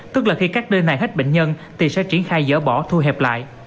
tức là khi các nơi này hết bệnh nhân thì sẽ triển khai dỡ bỏ thu hẹp lại